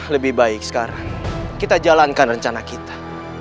lebih baik sekarang kita jalankan rencana kita